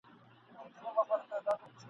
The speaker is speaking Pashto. له آدمه تر دې دمه دا قانون دی !.